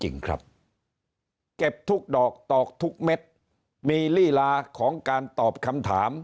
จริงครับเก็บทุกดอกตอกทุกเม็ดมีลีลาของการตอบคำถาม